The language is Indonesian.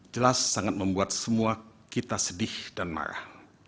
jelas sangat membuat semua kita sedih dan marah